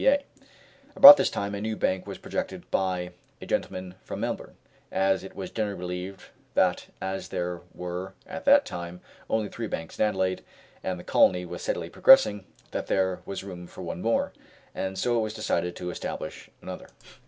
About this time a new bank was projected by a gentleman from Melbourne, as it was generally believed that as there were at that time only three banks in Adelaide, and the colony was steadily progressing, that there was room for one more, and so it was decided to establish another.